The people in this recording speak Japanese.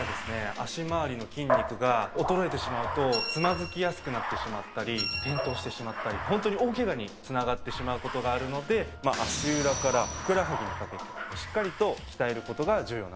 足回りの筋肉が衰えてしまうとつまずきやすくなってしまったり転倒してしまったりホントに大ケガに繋がってしまう事があるので足裏からふくらはぎにかけてしっかりと鍛える事が重要なんです。